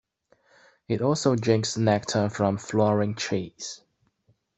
It also drinks nectar from flowering trees.